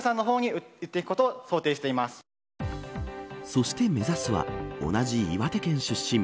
そして目指すは同じ岩手県出身